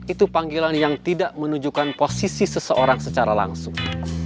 itu panggilan yang tidak menunjukkan posisi seseorang secara langsung